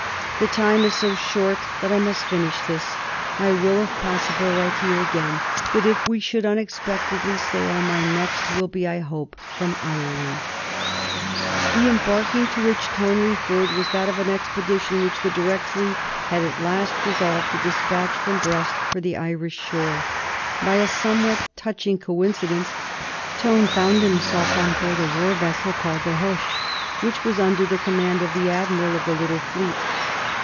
The time is so short that I must finish this; I will, if possible, write to you again, but if we should unexpectedly sail my next will be, I hope, from Ireland." [Sidenote: 1798 The capture of Wolfe Tone] The embarking to which Tone referred was that of an expedition which the Directory had at last resolved to despatch from Brest for the Irish shore. By a somewhat touching coincidence Tone found himself on board a war vessel called the "Hoche," which was under the command of the admiral of the little fleet.